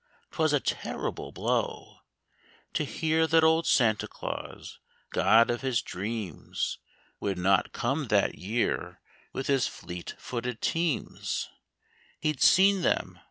'Twas a terrible blow To hear that old Santa Claus, god of his dreams. Would not come that year with his fleet footed teams. He'd seen them.